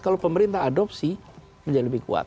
kalau pemerintah adopsi menjadi lebih kuat